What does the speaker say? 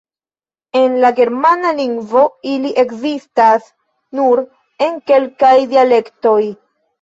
En la Germana lingvo ili ekzistas nur en kelkaj dialektoj.